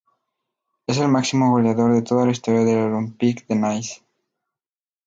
Es el máximo goleador de toda la historia del Olympique de Niza.